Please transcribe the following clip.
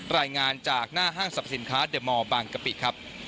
รายงานจากหน้าห้างสรรพสินค้าเดอร์มอลบางกะปิครับ